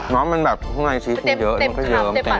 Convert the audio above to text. น้องมันที่ในน้ำชีสต์เยอะมันเยอะเยอะมั้ยเต็มคัม